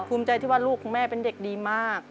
ภูมิใจที่ว่าลูกของแม่เป็นเด็กดีมาก